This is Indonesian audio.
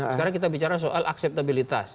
sekarang kita bicara soal akseptabilitas